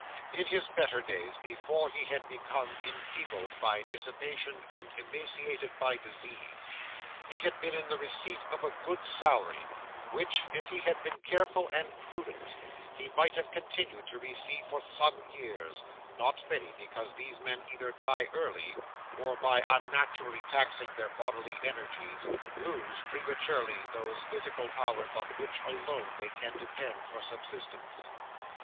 In his better days, before he had become enfeebled by dissipation and emaciated by disease, he had been in the receipt of a good salary, which, if he had been careful and prudent, he might have continued to receive for some years not many; because these men either die early, or by unnaturally taxing their bodily energies, lose, prematurely, those physical powers on which alone they can depend for subsistence.